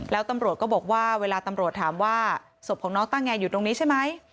แล้วตำรวจก็บอกว่าเวลาตำรวจถามว่าศพของน้องต้าแงอยู่ตรงนี้ใช่ไหม